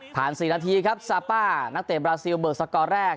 ผ่านสี่นาทีครับซาป้านักเต่บราซิลเบอร์สกอร์แรก